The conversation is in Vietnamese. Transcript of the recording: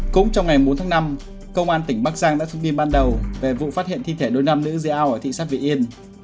cũng trong ngày bốn tháng năm công an tỉnh bắc giang đã thông tin ban đầu về vụ phát hiện thi thể hai nam nữ dây ao ở thị xác việt yên